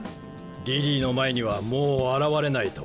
リリーの前にはもう現れないと。